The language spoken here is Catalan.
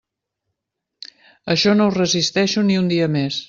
Això no ho resisteixo ni un dia més.